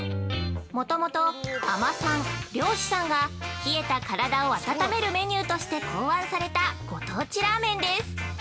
もともと、海女さん、漁師さんが冷えた体を温めるメニューとして考案された、ご当地ラーメンです。